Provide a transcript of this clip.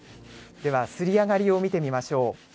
では刷り上がりを見てみましょう。